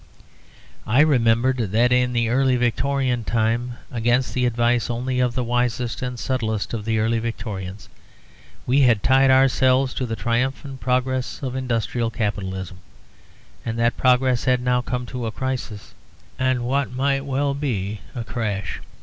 I remembered that in the Early Victorian time, against the advice only of the wisest and subtlest of the Early Victorians, we had tied ourselves to the triumphant progress of industrial capitalism; and that progress had now come to a crisis and what might well be a crash.